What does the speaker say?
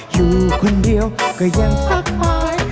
อยู่คนเดียวก็ยังสักหาย